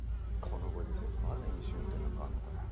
ご時世にまだ飲酒運転なんかあんのかよ。